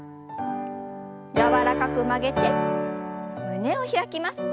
柔らかく曲げて胸を開きます。